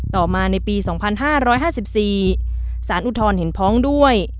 ต่อมาในปี๒๕๕๔สารอุทธรณ์เห็นพ้องด้วย